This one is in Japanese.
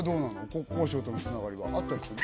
国交省とのつながりはあったりする？